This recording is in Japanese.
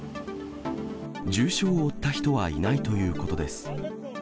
重傷を負った人はいないということです。